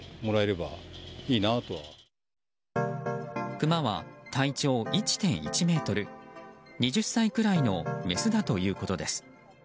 クマは体長１．１ｍ２０歳くらいのメスだということです。